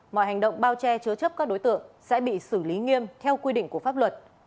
mọi hành động bao che chứa chấp các đối tượng sẽ bị xử lý nghiêm theo quy định của pháp luật